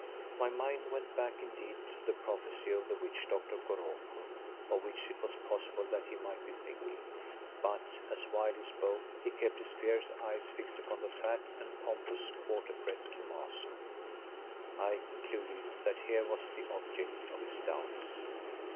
My mind went back indeed to the prophecy of the witch doctor Goroko, of which it was possible that he might be thinking, but as while he spoke he kept his fierce eyes fixed upon the fat and pompous quarter breed, Thomaso, I concluded that here was the object of his doubts.